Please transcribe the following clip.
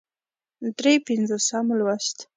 درې پينځوسم لوست